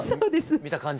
見た感じ。